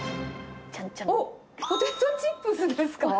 おっ、ポテトチップスですか？